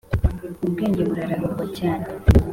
Ubwenge burarahugurwa cyane